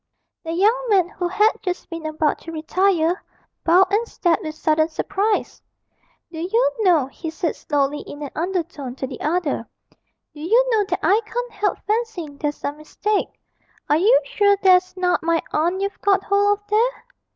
The young man, who had just been about to retire, bowed and stared with sudden surprise. 'Do you know,' he said slowly in an undertone to the other, 'do you know that I can't help fancying there's some mistake are you sure that's not my aunt you've got hold of there?'